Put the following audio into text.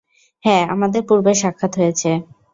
হ্যাঁ, আমাদের পূর্বে সাক্ষাৎ হয়েছে।